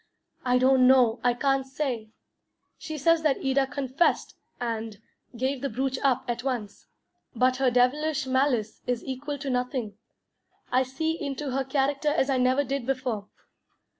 "I don't know. I can't say. She says that Ida confessed, and, gave the brooch up at once. But her devilish malice is equal to anything. I see into her character as I never did before.